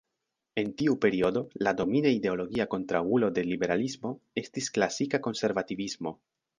En tiu periodo, la domina ideologia kontraŭulo de liberalismo estis klasika konservativismo.